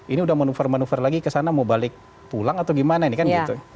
ini udah manuver manuver lagi ke sana mau balik pulang atau gimana ini kan gitu